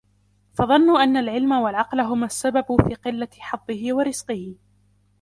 فَظَنُّوا أَنَّ الْعِلْمَ وَالْعَقْلَ هُمَا السَّبَبُ فِي قِلَّةِ حَظِّهِ وَرِزْقِهِ